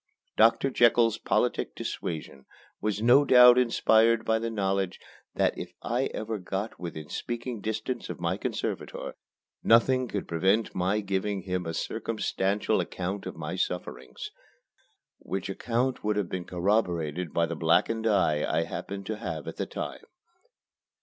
Doctor Jekyll's politic dissuasion was no doubt inspired by the knowledge that if ever I got within speaking distance of my conservator, nothing could prevent my giving him a circumstantial account of my sufferings which account would have been corroborated by the blackened eye I happened to have at the time.